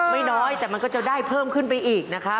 ไม่น้อยแต่มันก็จะได้เพิ่มขึ้นไปอีกนะครับ